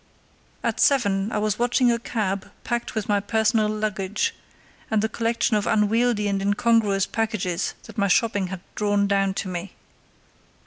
At seven I was watching a cab packed with my personal luggage and the collection of unwieldy and incongruous packages that my shopping had drawn down on me.